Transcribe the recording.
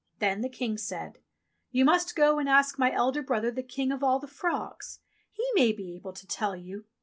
Then the King said, "You must go and ask my elder brother the King of all the Frogs. He may be able to tell you.